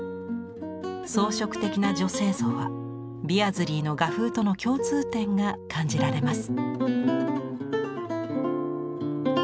装飾的な女性像はビアズリーの画風との共通点が感じられます。